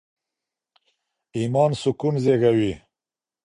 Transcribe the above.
ایمان سکون زېږوي.